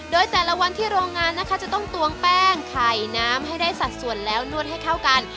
โดยแต่ละวันที่โรงงานนะคะจะต้องตวงแป้งไข่น้ำให้ได้สัดส่วนแล้วนวดให้เข้ากัน